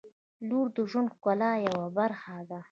• لور د ژوند د ښکلا یوه برخه ده.